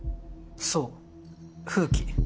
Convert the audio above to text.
そう風鬼。